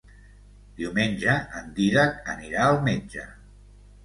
Diumenge en Dídac anirà al metge.